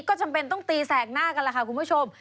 ก็จำเป็นต้องตีแสกหน้ากันล่ะค่ะคุณผู้ชม